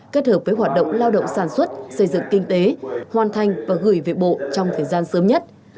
kết hợp với hoạt động lao động sản xuất xây dựng kinh tế hoàn thành và gửi về bộ trong thời gian sớm nhất